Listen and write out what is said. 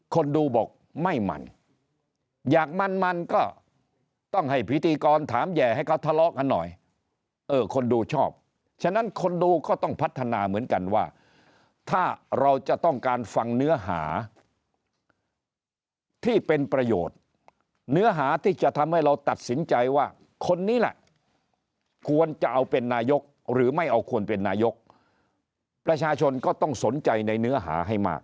คนดูบอกไม่มันอยากมันมันก็ต้องให้พิธีกรถามแห่ให้เขาทะเลาะกันหน่อยเออคนดูชอบฉะนั้นคนดูก็ต้องพัฒนาเหมือนกันว่าถ้าเราจะต้องการฟังเนื้อหาที่เป็นประโยชน์เนื้อหาที่จะทำให้เราตัดสินใจว่าคนนี้ล่ะควรจะเอาเป็นนายกหรือไม่เอาควรเป็นนายกประชาชนก็ต้องสนใจในเนื้อหาให้มาก